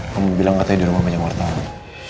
kamu bilang katanya di rumah banyak wartawan